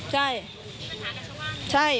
เยอะมาก